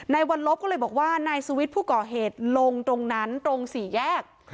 วันลบก็เลยบอกว่านายสุวิทย์ผู้ก่อเหตุลงตรงนั้นตรงสี่แยก